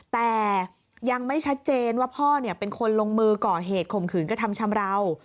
แต่ยังไม่ชัดเจนว่าพ่อเป็นคนลงมือก่อเหตุข่มขืนกระทำชำราว